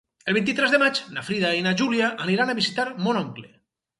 El vint-i-tres de maig na Frida i na Júlia aniran a visitar mon oncle.